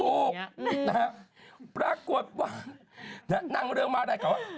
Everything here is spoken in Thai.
ถูกนะฮะปรากฏว่าน่ะนั่งเรื่องมาอะไรก็ว่า